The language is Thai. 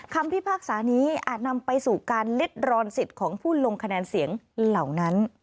พิพากษานี้อาจนำไปสู่การลิดรอนสิทธิ์ของผู้ลงคะแนนเสียงเหล่านั้น